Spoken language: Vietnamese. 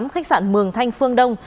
khách sạn mường thanh phương đông